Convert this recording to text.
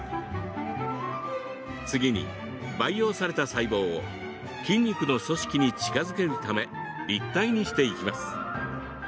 次に、培養された細胞を筋肉の組織に近づけるため立体にしていきます。